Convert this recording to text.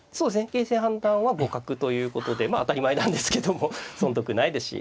形勢判断は互角ということでまあ当たり前なんですけども損得ないですし。